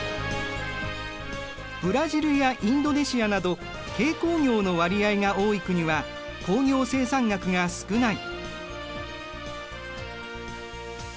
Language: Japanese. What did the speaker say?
ブラジルやインドネシアなど軽工業の割合が多い国は工業生産額が少ない。